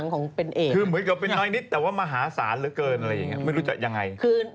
คือเหมือนกับเป็นน้อยนิดแต่ว่ามหาศาลเหลือเกินไม่รู้จักยังไง